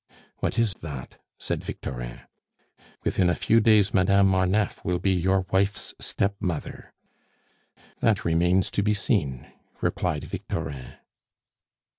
"What is that?" said Victorin. "Within a few days Madame Marneffe will be your wife's stepmother." "That remains to be seen," replied Victorin.